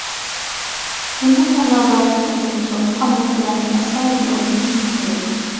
بۇنداق چاغلاردا چوقۇم سوغۇق قانلىق بىلەن ئەستايىدىل ئويلىنىشىمىز كېرەك.